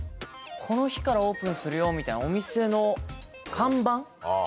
この日からオープンするよみたいな。